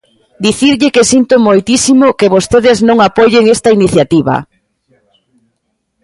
Dicirlle que sinto moitísimo que vostedes non apoien esta iniciativa.